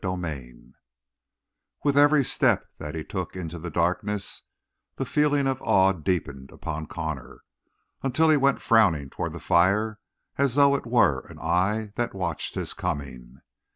CHAPTER EIGHT With every step that he took into the darkness the feeling of awe deepened upon Connor, until he went frowning toward the fire as though it were an eye that watched his coming.